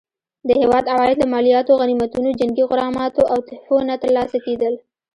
د هیواد عواید له مالیاتو، غنیمتونو، جنګي غراماتو او تحفو نه ترلاسه کېدل.